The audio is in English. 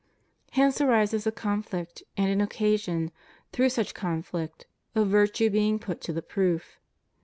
Hence ^.rises a conflict, and an occasion, through such conflict, of virtue being put to the proof.